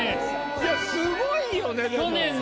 いやすごいよねでも。